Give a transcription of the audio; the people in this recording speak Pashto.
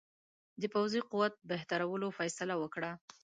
د پوځي قوت بهترولو فیصله وکړه.